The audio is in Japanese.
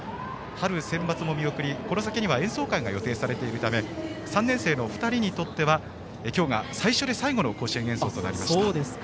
春センバツも見送りこの先には演奏会も予定されているため３年生の２人にとっては今日が最初で最後の甲子園演奏となりました。